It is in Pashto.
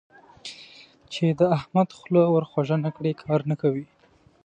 چې د احمد خوله ور خوږه نه کړې؛ کار نه کوي.